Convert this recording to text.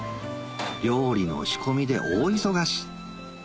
料理の仕込みで大忙し